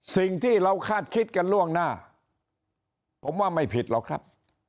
สิ่งที่เราคาดคิดกันล่วงหน้าผมว่าไม่ผิดหรอกครับ